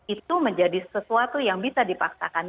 itu menjadi sesuatu yang bisa dipaksakan